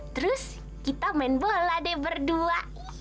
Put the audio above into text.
terus kita main bola deh berdua